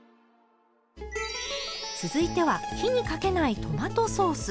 続いては火にかけないトマトソース。